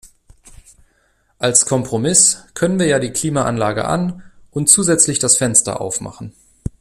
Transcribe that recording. Als Kompromiss können wir ja die Klimaanlage an und zusätzlich das Fenster auf machen.